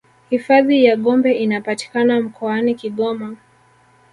hifadhi ya gombe inapatikana mkoani kigoma